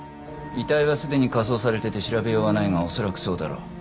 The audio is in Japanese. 遺体はすでに火葬されてて調べようはないが恐らくそうだろう。